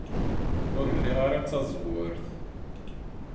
Ur liɣ ara taẓwert.